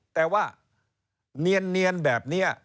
แต่ว่าเนียนแบบนี้